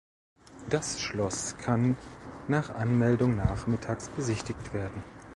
Das Schloss kann nach Anmeldung nachmittags besichtigt werden.